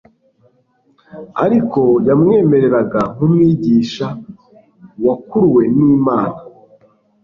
ariko yamwemeraga nk'Umwigisha wakuruwe n'Imana.